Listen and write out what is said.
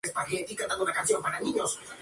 Fue la última que dirigió.